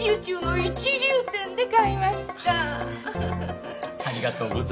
ありがとうございます。